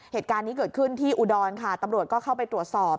เหตุการณ์นี้เกิดขึ้นที่อุดรค่ะตำรวจก็เข้าไปตรวจสอบ